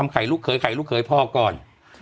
ไข่ลูกเขยไข่ลูกเขยพ่อก่อน